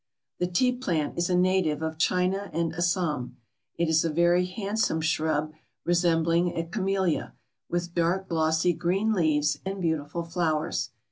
The Tea plant is a native of China and Assam. It is a very handsome shrub resembling a camellia, with dark, glossy, green leaves and beautiful flowers.